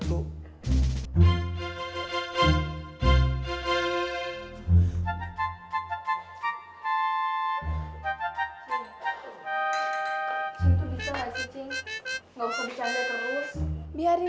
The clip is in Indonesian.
cing tuh bisa nggak sih cing nggak usah bercanda terus